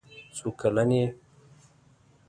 څو کلن یې.